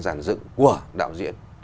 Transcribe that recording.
giàn dựng của đạo diễn